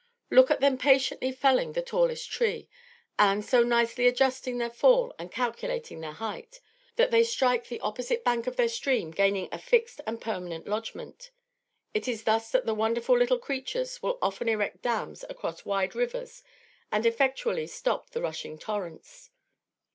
Look at them patiently felling the tallest trees; and, so nicely adjusting their fall and calculating their height, that they strike the opposite bank of their stream gaining a fixed and permanent lodgment. It is thus that these wonderful little creatures will often erect dams across wide rivers and effectually stop the rushing torrents.